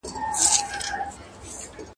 د خپل قسمت سره په جنګ را وزم ..